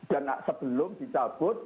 dan sebelum dicabut